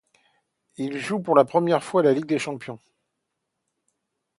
Il joue pour la première fois la Ligue des champions.